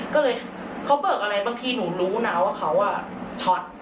ก็เลยเขาเบิกอะไรบางทีหนูรู้นะว่าเขาช็อต